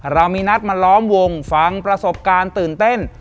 เรามีนัดมาล้อมวงฟังประสบการณ์ตื่นเต้น